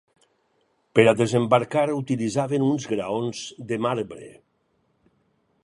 Per a desembarcar utilitzaven uns graons de marbre.